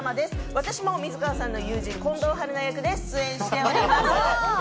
私も水川さんの友人・近藤春菜役で出演しております。